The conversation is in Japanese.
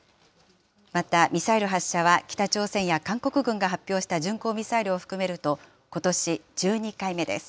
また、ミサイル発射は、北朝鮮や韓国軍が発表した巡航ミサイルを含めると、ことし１２回目です。